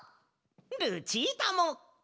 ルチータも。